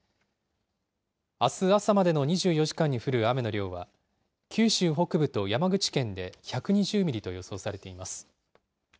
あす朝までの２４時間に降る雨の量は、九州北部と山口県で１２０ミリと予想されています。